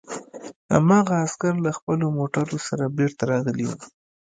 هماغه عسکر له خپلو موټرو سره بېرته راغلي وو